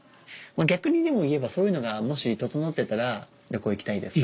逆に言えばそういうのがもし整ってたら旅行行きたいですか？